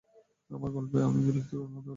আমার গল্পে আমি বিরক্তিকর হতে পারি।